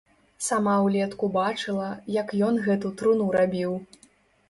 Сама ўлетку бачыла, як ён гэту труну рабіў.